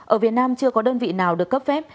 ở việt nam chưa có đơn vị nào được cấp phép